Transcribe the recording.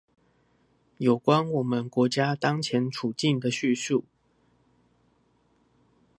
有關我們國家當前處境的敘述